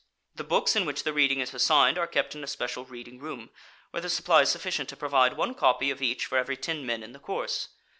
The books in which the reading is assigned are kept in a special reading room, where the supply is sufficient to provide one copy of each for every ten men in the course.